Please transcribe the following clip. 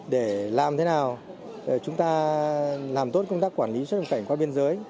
để làm thế nào chúng ta làm tốt công tác quản lý xuất nhập cảnh qua biên giới